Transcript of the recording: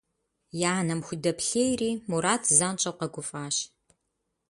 И анэм худэплъейри, Мурат занщӏэу къэгуфӏащ.